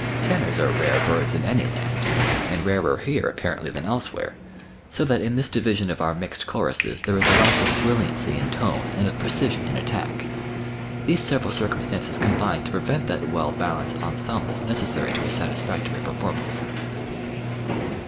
Tenors are "rare birds" in any land, and rarer here apparently than elsewhere, so that in this division of our mixed choruses there is a lack of brilliancy in tone and of precision in attack. These several circumstances combine to prevent that well balanced ensemble necessary to a satisfactory performance.